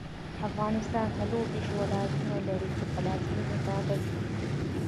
افغانستان څلوردېرش ولایتونه لري، چې پلازمېنه یې کابل دی.